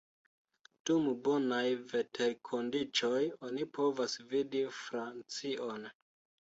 Dum bonaj veterkondiĉoj oni povas vidi Francion.